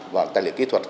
và tài liệu kỹ thuật